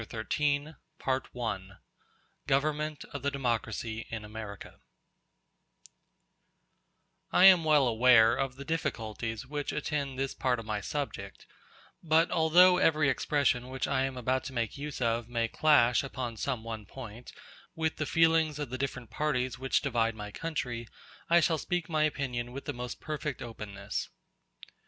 Chapter XIII: Government Of The Democracy In America—Part I I am well aware of the difficulties which attend this part of my subject, but although every expression which I am about to make use of may clash, upon some one point, with the feelings of the different parties which divide my country, I shall speak my opinion with the most perfect openness.